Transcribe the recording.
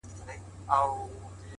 د طبیعت په تقاضاوو کي یې دل و ول کړم ـ